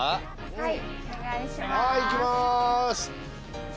はい。